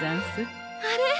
あれ！？